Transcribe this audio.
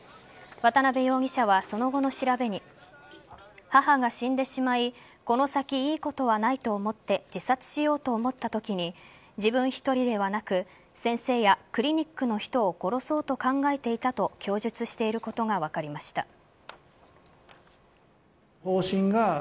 渡辺容疑者は、その後の調べに母が死んでしまいこの先いいことはないと思って自殺しようと思ったときに自分１人ではなく先生やクリニックの人を殺そうと考えていたと供述していることが分かりました。